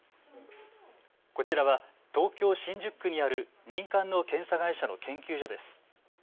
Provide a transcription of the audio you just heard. こちらは東京新宿区にある民間の検査会社の研究所です。